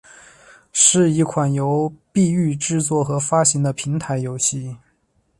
是一款由育碧制作和发行的平台游戏。